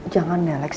jangan ya lex